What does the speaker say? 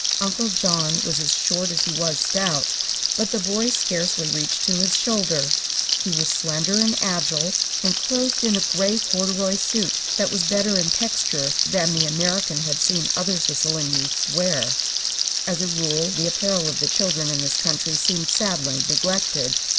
Uncle John was as short as he was stout, but the boy scarcely reached to his shoulder. He was slender and agile, and clothed in a grey corduroy suit that was better in texture than the American had seen other Sicilian youths wear. As a rule the apparel of the children in this country seemed sadly neglected.